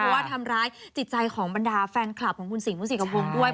เพราะว่าทำร้ายจิตใจของบรรดาแฟนคลับของคุณสิงห์ผู้สิทธิ์กับวงด้วย